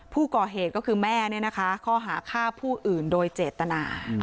ผู้ก่อเหตุก็คือแม่ข้อหาฆ่าผู้อื่นโดยเจตนา